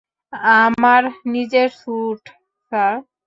আমার নিজের suit, sir.